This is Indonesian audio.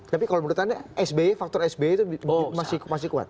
tapi kalau menurut anda sby faktor sby itu masih kuat